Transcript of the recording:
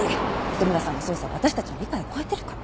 糸村さんの捜査は私たちの理解を超えてるから。